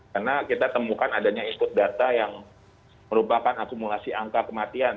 karena kita temukan adanya input data yang merupakan akumulasi angka kematian